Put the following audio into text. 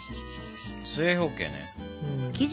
正方形ね。